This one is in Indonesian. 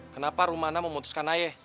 kenapa romana memutuskan ayah